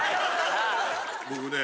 僕ね。